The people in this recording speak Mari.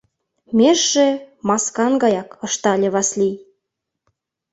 — Межше — маскан гаяк, — ыштале Васлий.